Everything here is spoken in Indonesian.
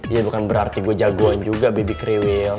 ya bukan berarti gue jagoan juga baby krewil